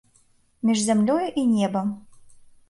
Між зямлёю і небам.